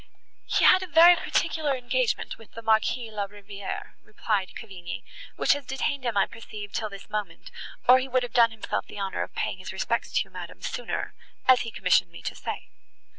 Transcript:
"He had a very particular engagement with the Marquis La Rivière," replied Cavigni, "which has detained him, I perceive, till this moment, or he would have done himself the honour of paying his respects to you, madam, sooner, as he commissioned me to say.